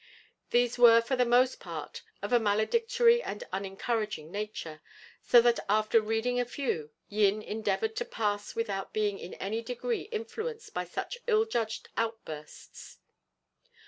These were for the most part of a maledictory and unencouraging nature, so that after reading a few, Yin endeavoured to pass without being in any degree influenced by such ill judged outbursts.